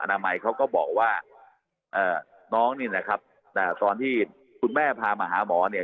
นามัยเขาก็บอกว่าน้องนี่นะครับตอนที่คุณแม่พามาหาหมอเนี่ย